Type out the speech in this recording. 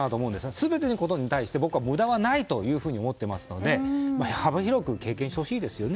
全てのことに対して僕は無駄はないと思っているので幅広く経験してほしいですね。